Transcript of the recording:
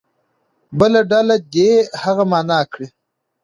بله ډله دې هغه معنا کړي.